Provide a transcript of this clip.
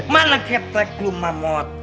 mana ketek lo mamut